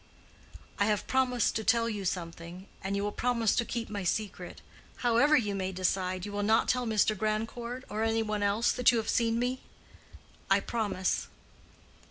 "I have promised to tell you something. And you will promise to keep my secret. However you may decide you will not tell Mr. Grandcourt, or any one else, that you have seen me?" "I promise."